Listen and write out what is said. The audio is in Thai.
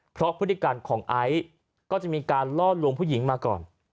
เพราะพฤติการของไอซ์ก็จะมีการล่อลวงผู้หญิงมาก่อน